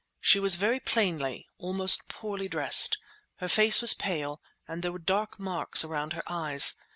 She was very plainly, almost poorly, dressed. Her face was pale and there were dark marks around her eyes.